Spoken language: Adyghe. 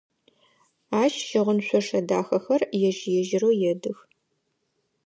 Ащ щыгъын шъошэ дахэхэр ежь-ежьырэу едых.